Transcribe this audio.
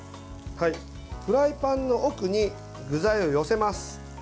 フライパンの奥に具材を寄せます。